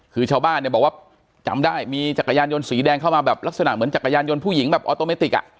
คือชาวบ้านเนี่ยบอกว่าจำได้มีจักรยานยนต์สีแดงเข้ามาแบบลักษณะเหมือนจักรยานยนต์ผู้หญิงแบบออโตเมติกอ่ะ